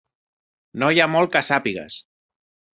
No hi ha molt que sàpigues.